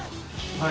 はい。